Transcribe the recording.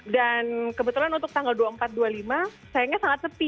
dan kebetulan untuk tanggal dua puluh empat dua puluh lima sayangnya sangat tepi